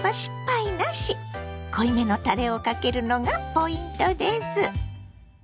濃いめのたれをかけるのがポイントです。